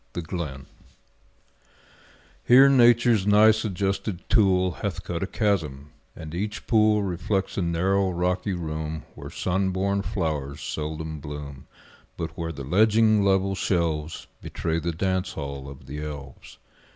The Glen Here Nature's nice adjusted tool Hath cut a chasm; and each pool Reflects a narrow, rocky room Where sun born flowers seldom bloom, But where the ledging, level shelves Betray the dance hall of the elves.